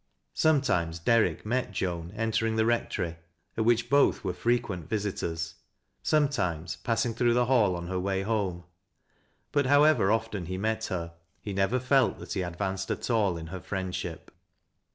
Sometimes Derrick met Joan entering the Eectory (at which both were frequent visitors) ; sometimes, passing through the hall on her waj' home ; but however often he met her, he never felt that he advanced at all in her friendship.